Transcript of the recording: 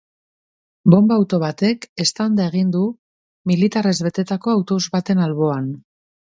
Bonba-auto batek eztanda egin du militarrez betetako autobus baten alboan.